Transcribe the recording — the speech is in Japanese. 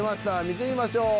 見てみましょう。